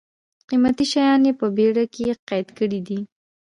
قېمتي شیان یې په بېړۍ کې قید کړي دي.